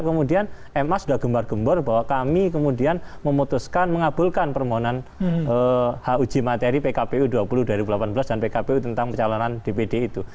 kemudian ma sudah gembar gembor bahwa kami kemudian memutuskan mengabulkan permohonan huj materi pkpu dua puluh dua ribu delapan belas dan pkpu tentang pencalonan dpd itu